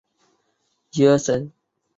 以北宋时的饶洞天为始祖。